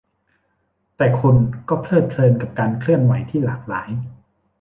แต่คุณก็เพลิดเพลินกับการเคลื่อนไหวที่หลากหลาย